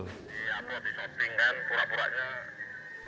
iya buat di shopping kan pura puranya